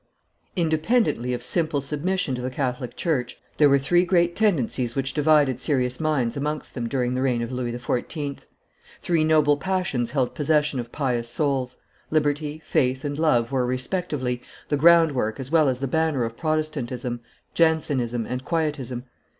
Independently of simple submission to the Catholic church, there were three great tendencies which divided serious minds amongst them during the reign of Louis XIV.; three noble passions held possession of pious souls; liberty, faith, and love were, respectively, the groundwork as well as the banner of Protestantism, Jansenism, and Quietism.